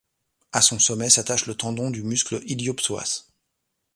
À son sommet s'attache le tendon du muscle ilio-psoas.